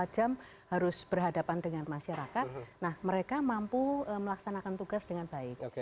dua puluh empat jam harus berhadapan dengan masyarakat nah mereka mampu melaksanakan tugas dengan baik